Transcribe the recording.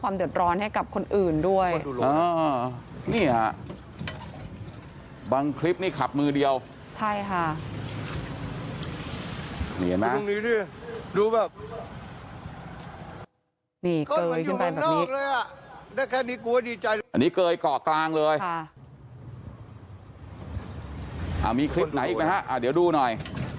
มีคลิปไหนอีกไหมฮะเดี๋ยวดูหน่อย